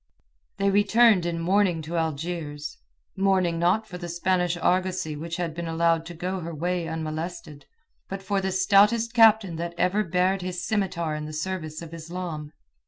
They returned in mourning to Algiers—mourning not for the Spanish argosy which had been allowed to go her ways unmolested, but for the stoutest captain that ever bared his scimitar in the service of Islam.